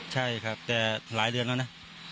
ใช่ครับแต่หลายเดือนแล้วนะ